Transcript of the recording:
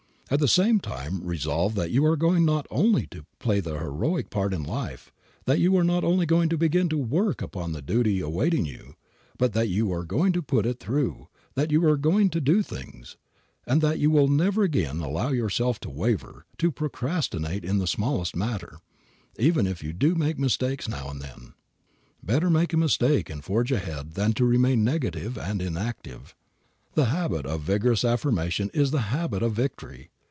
At the same time resolve that you are going not only to play the heroic part in life, that you are not only going to begin work upon the duty awaiting you, but that you are going to put it through, that you are going to do things, and that you will never again allow yourself to waver, to procrastinate in the smallest matter, even if you do make mistakes now and then. Better make a mistake and forge ahead than to remain negative and inactive. The habit of vigorous affirmation is the habit of victory.